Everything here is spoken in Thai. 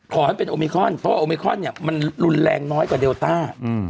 ขอให้เป็นโอมิคอนเพราะว่าโอมิคอนเนี่ยมันรุนแรงน้อยกว่าเดลต้า